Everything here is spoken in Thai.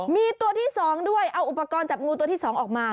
มีตัวที่๒ด้วยเอาอุปกรณ์จับงูตัวที่๒ออกมา